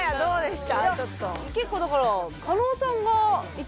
結構だから。